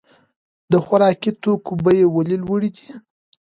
د خوراکي توکو بیې ولې لوړې دي؟